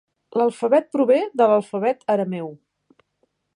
L'alfabet prové de l'alfabet arameu.